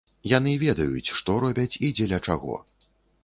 Яны ведаюць, што робяць і дзеля чаго.